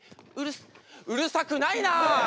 うるさくないな！